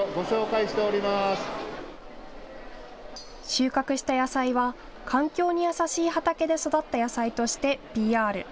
収穫した野菜は環境に優しい畑で育った野菜としてＰＲ。